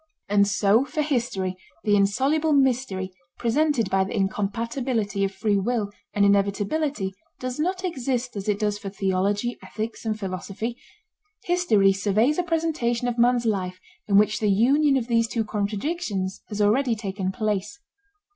And so for history, the insoluble mystery presented by the incompatibility of free will and inevitability does not exist as it does for theology, ethics, and philosophy. History surveys a presentation of man's life in which the union of these two contradictions has already taken place.